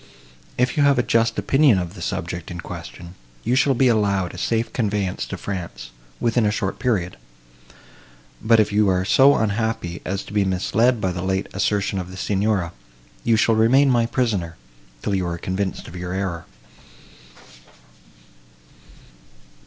If you have a just opinion of the subject in question, you shall be allowed a safe conveyance to France, within a short period; but, if you are so unhappy as to be misled by the late assertion of the Signora, you shall remain my prisoner, till you are convinced of your error."